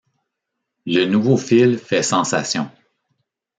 Le nouveau fil fait sensation.